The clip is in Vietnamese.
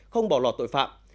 không bỏ lọt tội phạm